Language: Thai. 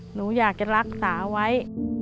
หนูอยากจะรักษาไว้